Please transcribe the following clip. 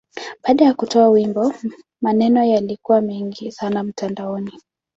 Baada ya kutoa wimbo, maneno yalikuwa mengi sana mtandaoni.